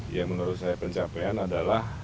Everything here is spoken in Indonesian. ya menurut saya pencapaian adalah